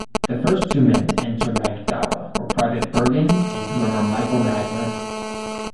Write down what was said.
The first two men to enter Magdala were Private Bergin and Drummer Michael Magner.